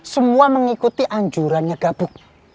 semua mengikuti anjurannya gabuk